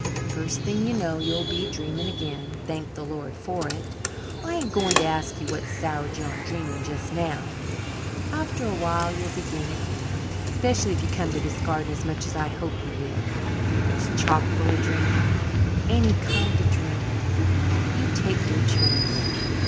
First thing you know you'll be dreaming again thank the Lord for it. I ain't going to ask you what's soured you on dreaming just now. After awhile you'll begin again, especially if you come to this garden as much as I hope you will. It's chockful of dreams any kind of dreams. You take your choice.